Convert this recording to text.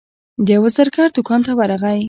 د یوه زرګر دوکان ته ورغی.